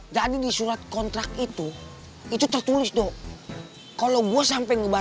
disitu tertulis di las do